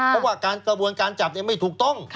เพราะว่าการกระบวนการจับไม่ถูกต้อง